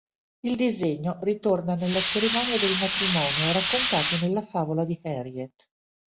Il disegno ritorna nella cerimonia del matrimonio raccontato nella favola di Harriet.